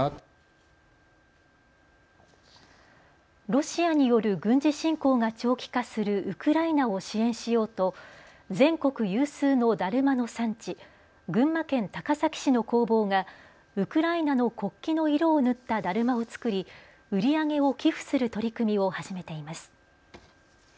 ロシアによる軍事侵攻が長期化するウクライナを支援しようと全国有数のだるまの産地、群馬県高崎市の工房がウクライナの国旗の色を塗っただるまを作り売り上げを寄付する取り組みを始めています。